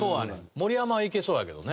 盛山はいけそうやけどね。